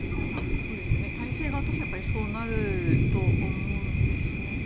体制側としてはそうなると思うんですね。